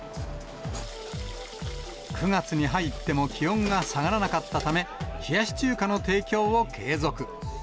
９月に入っても気温が下がらなかったため、冷やし中華の提供を継続。